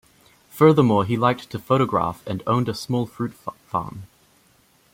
Furthermore, he liked to photograph and owned a small fruit farm.